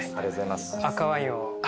赤ワインを。